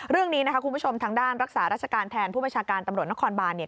เรื่องนี้นะคะคุณผู้ชมทางด้านรักษาราชการแทนผู้บัญชาการตำรวจนครบานเนี่ย